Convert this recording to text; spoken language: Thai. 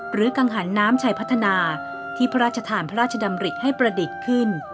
กังหันน้ำชัยพัฒนาที่พระราชทานพระราชดำริให้ประดิษฐ์ขึ้น